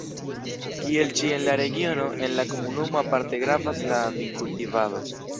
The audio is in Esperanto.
Kiel ĉie en la regiono, en la komunumo aparte gravas la vinkultivado.